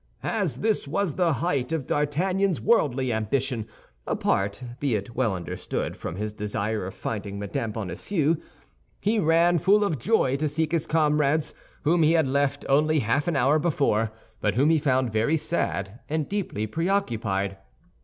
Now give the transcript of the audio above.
As this was the height of D'Artagnan's worldly ambition—apart, be it well understood, from his desire of finding Mme. Bonacieux—he ran, full of joy, to seek his comrades, whom he had left only half an hour before, but whom he found very sad and deeply preoccupied.